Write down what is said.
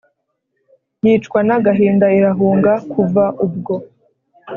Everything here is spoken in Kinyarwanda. yicwa n agahinda irahunga Kuva ubwo